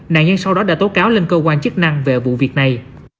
nạn nhân sau đó đã tố cáo lên cơ quan chức năng về vụ việc này